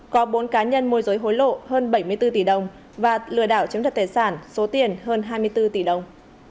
có bốn cá nhân môi giới hối lộ hơn bảy mươi bốn tỷ đồng và lừa đảo chiếm đoạt tài sản số tiền hơn hai mươi bốn tỷ đồng